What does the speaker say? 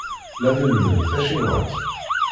La nlemmed tacinwat.